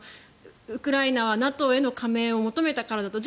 ウクライナはＮＡＴＯへの加盟を求めたからだと。